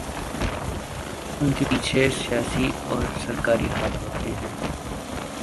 انکے پیچھے سیاسی و سرکاری ہاتھ ہوتے ہیں